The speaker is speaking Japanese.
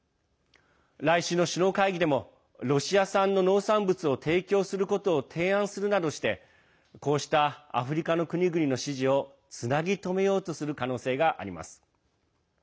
来週の首脳会議でもロシア産の農産物を提供することを提案するなどしてこうしたアフリカの国々の支持をつなぎ止めようとする可能性があります。